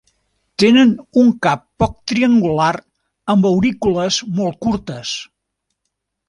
Tenen un cap poc triangular amb aurícules molt curtes.